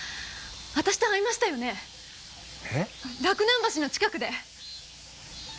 洛南橋の近くで。